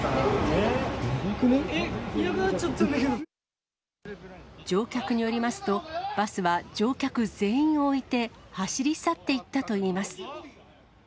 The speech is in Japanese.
えっ、乗客によりますと、バスは乗客全員を置いて走り去っていったといいます。